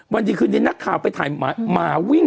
วันดีคืนนี้นักข่าวไปถ่ายหมาวิ่ง